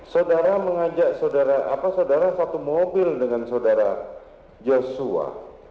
saudara mengajak saudara satu mobil dengan saudara joshua